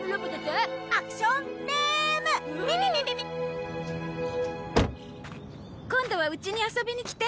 おお！今度はうちに遊びに来て。